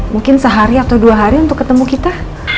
mungkin sehari atau dua hari untuk ketemu kita